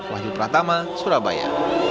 wahyu pratama surabaya